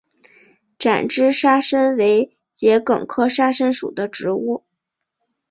展枝沙参为桔梗科沙参属的植物。